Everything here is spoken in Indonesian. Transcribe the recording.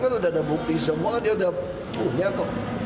kalau sudah ada bukti semua dia sudah punya kok